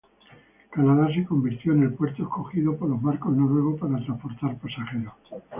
Canadá se convirtió en el puerto escogido por los barcos noruegos para transportar pasajeros.